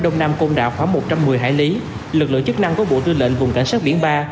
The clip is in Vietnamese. đông nam côn đảo khoảng một trăm một mươi hải lý lực lượng chức năng của bộ tư lệnh vùng cảnh sát biển ba